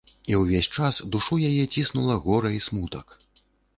І ўвесь час душу яе ціснула гора і смутак.